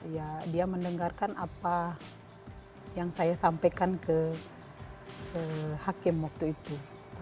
ya dia mendengarkan apa yang saya sampaikan ke hakim waktu itu